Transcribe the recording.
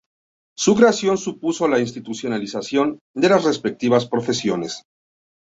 Su creación supuso la institucionalización de las respectivas profesiones.